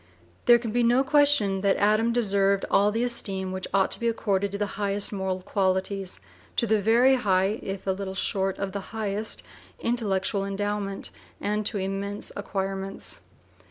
There can be no question that Adams deserved all the esteem which ought to be accorded to the highest moral qualities, to very high, if a little short of the highest, intellectual endowment, and to immense acquirements.